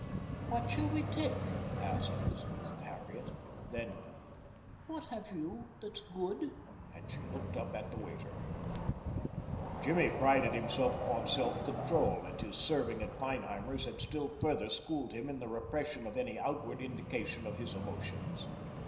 "What shall we take?" asked Elizabeth of Harriet. Then: "What have you that's good?" and she looked up at the waiter. Jimmy prided himself upon self control, and his serving at Feinheimer's had still further schooled him in the repression of any outward indication of his emotions.